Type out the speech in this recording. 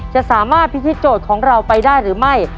จะสามารถพิธีโจทย์ของเราไปได้หรือไม่